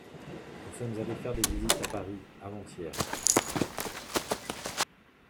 Nous sommes allées faire des visites à Paris, avant-hier.